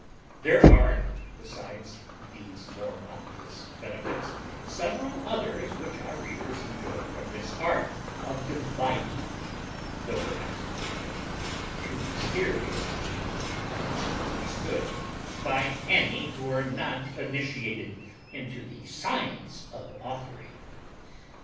There are, besides these more obvious benefits, several others which our readers enjoy from this art of dividing; though perhaps most of them too mysterious to be presently understood by any who are not initiated into the science of authoring.